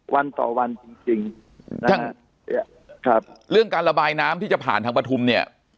วันต่อวันจริงจริงนะครับเรื่องการระบายน้ำที่จะผ่านทางปฐุมเนี่ย